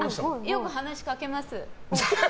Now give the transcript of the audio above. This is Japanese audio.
よく話しかけます。